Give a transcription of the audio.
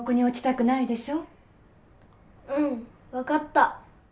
うん、分かった。